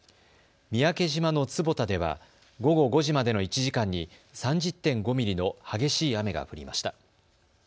三宅島の坪田では午後５時までの１時間に３０．５ミリの激しい雨が降りました。